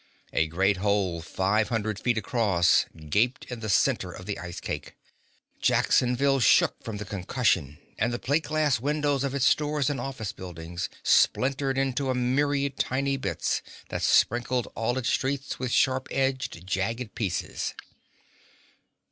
A great hole five hundred feet across gaped in the center of the ice cake. Jacksonville shook from the concussion, and the plate glass windows of its stores and office buildings splintered into a myriad tiny bits that sprinkled all its streets with sharp edged, jagged pieces.